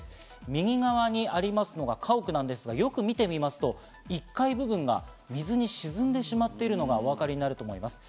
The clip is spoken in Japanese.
右側にありますのが家屋なんですが、よく見てみますと１階部分が水に沈んでしまっているのがお分かりになると思います。